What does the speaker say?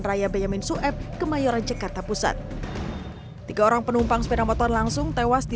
raya benyamin sueb kemayoran jakarta pusat tiga orang penumpang sepeda motor langsung tewas di